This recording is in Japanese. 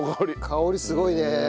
香りすごいね。